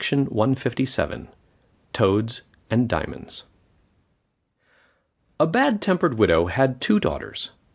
TOADS AND DIAMONDS A bad tempered widow had two daughters.